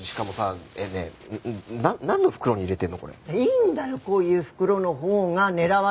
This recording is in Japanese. いいんだよこういう袋のほうが狙われないで。